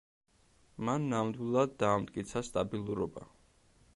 მან ნამდვილად დაამტკიცა სტაბილურობა.